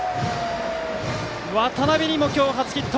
渡邉にも今日、初ヒット。